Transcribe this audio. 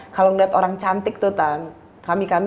kalau ngeliat orang cantik tuh tante kami